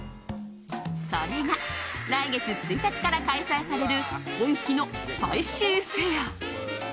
それが、来月１日から開催される本気のスパイシーフェア。